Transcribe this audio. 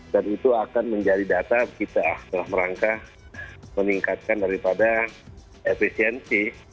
dan itu akan menjadi data kita dalam rangka meningkatkan daripada efisiensi